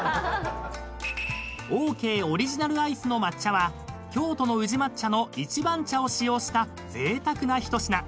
［オーケーオリジナルアイスの抹茶は京都の宇治抹茶の一番茶を使用したぜいたくな一品］